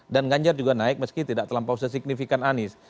dan ganjar juga naik meski tidak terlampau sesignifikan anies